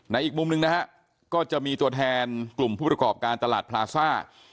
อีกมุมหนึ่งนะฮะก็จะมีตัวแทนกลุ่มผู้ประกอบการตลาดพลาซ่า